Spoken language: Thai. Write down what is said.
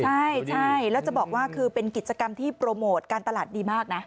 ใช่แล้วจะบอกว่าคือเป็นกิจกรรมที่โปรโมทการตลาดดีมากนะ